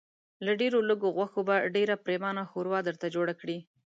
له ډېرو لږو غوښو به ډېره پرېمانه ښوروا درته جوړه کړي.